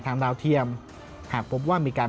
ทางดาวเทียมหากบอกว่ามีการ